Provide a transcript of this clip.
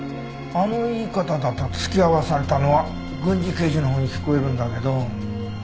あの言い方だと付き合わされたのは郡司刑事のほうに聞こえるんだけど。